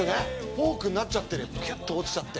フォークになっちゃってキュッと落ちちゃって。